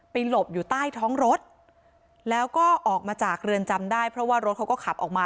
หลบอยู่ใต้ท้องรถแล้วก็ออกมาจากเรือนจำได้เพราะว่ารถเขาก็ขับออกมา